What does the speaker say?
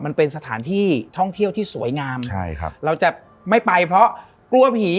มันเป็นสถานที่ท่องเที่ยวที่สวยงามใช่ครับเราจะไม่ไปเพราะกลัวผี